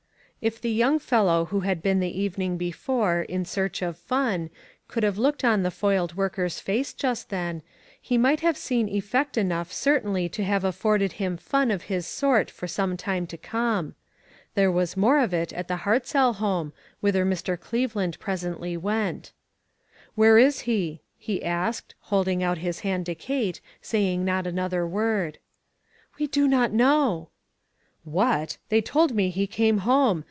If the young fellow who had been the evening before in search of fun could have looked on the foiled worker's face just then, he might have seen effect enough certainly to have afforded him fun of his sort for some time to come. There was more of it at the Hartzell home, whither Mr. Cleve land presently went. " Where is he ?" he asked, holding out THE VIGILANCE COMMITTEE. 485 his hand to Kate, saying not another word. " We do not know." " What ! They told me he came home.